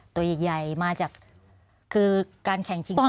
ตัวใหญ่มาจากคือการแข่งชิงเซ็นเวิร์ด